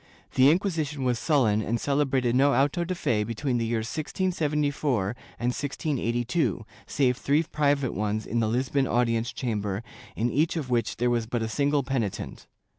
The Inquisition was sullen and celebrated no auto de fe between the years 1674 and 1682, save three private ones in the Lisbon audience chamber, in each of which there was but a single penitent.